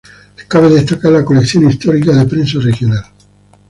Cabe destacar la colección histórica de prensa regional.